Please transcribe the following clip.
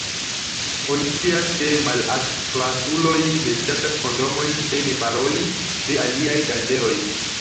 Oni scias, ke malaltklasuloj ne ŝatas kondomojn, se ne paroli pri aliaj danĝeroj.